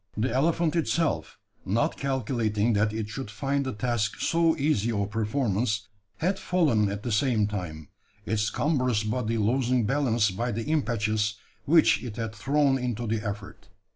The elephant itself, not calculating that it should find the task so easy of performance, had fallen at the same time its cumbrous body losing balance by the impetus which it had thrown into the effort.